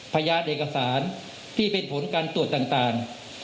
พยานเอกสารที่เป็นผลการตรวจต่าง